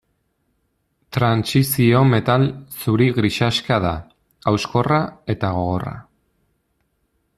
Trantsizio-metal zuri grisaxka da, hauskorra eta gogorra.